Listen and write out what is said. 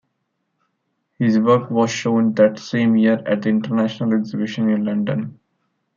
His work was shown that same year at the International Exhibition in London.